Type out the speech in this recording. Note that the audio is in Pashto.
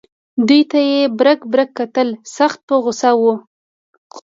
دوی ته یې برګ برګ کتل سخت په غوسه و.